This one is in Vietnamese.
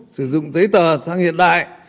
sử dụng giấy tờ sang hiện đại